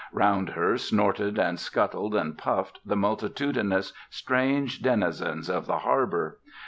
Round her snorted and scuttled and puffed the multitudinous strange denizens of the harbour.